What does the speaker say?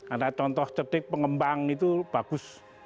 ada contoh cedik pengembang itu bagus